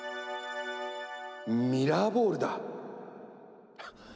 ミラーボールだ！はっ！